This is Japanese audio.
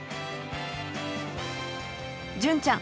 純ちゃん